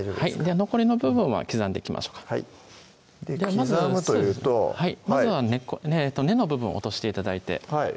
残りの部分は刻んでいきましょうか刻むというとまずは根の部分落として頂いてはい